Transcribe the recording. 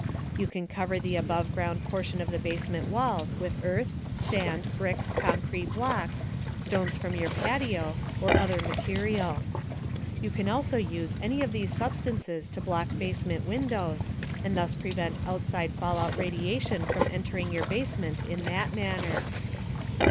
You can cover the above ground portion of the basement walls with earth, sand, bricks, concrete blocks, stones from your patio, or other material. You also can use any of these substances to block basement windows and thus prevent outside fallout radiation from entering your basement in that manner.